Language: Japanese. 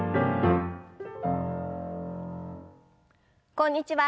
こんにちは。